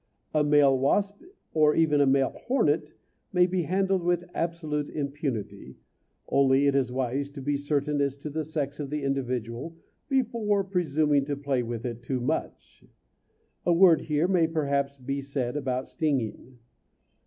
A male wasp or even a male hornet may be handled with absolute impunity, only it is wise to be certain as to the sex of the individual before presuming to play with it too much! A word here may perhaps be said about stinging.